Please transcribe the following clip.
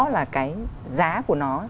là cái giá của nó